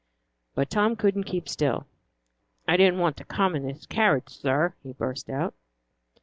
But Tom couldn't keep still. "I didn't want to come in this carriage, sir!" he burst out.